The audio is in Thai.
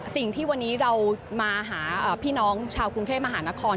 สิ่งที่วันนี้เรามาหาพี่น้องชาวกรุงเทพมหานคร